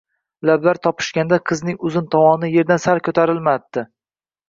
Lablar topishganda qizning uzun tovoni yerdan sal ko‘tarilmadi.